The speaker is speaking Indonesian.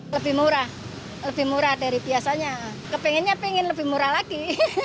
lebih murah lebih murah dari biasanya kepengennya pengen lebih murah lagi